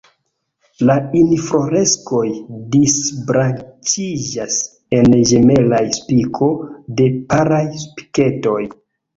La infloreskoj disbranĉiĝas en ĝemelaj spiko de paraj spiketoj.